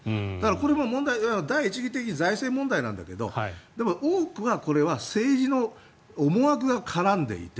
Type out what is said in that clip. これも第一義的に財政問題なんだけどでも、多くはこれは政治の思惑が絡んでいて